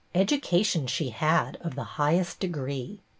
Education she had of the highest degree.